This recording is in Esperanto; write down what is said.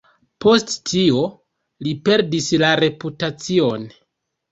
Post tio, li perdis la reputacion.